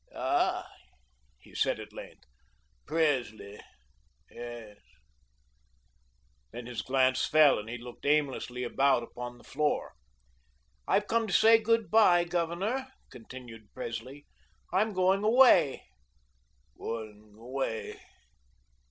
"Ah," he said at length, "Presley...yes." Then his glance fell, and he looked aimlessly about upon the floor. "I've come to say good bye, Governor," continued Presley, "I'm going away."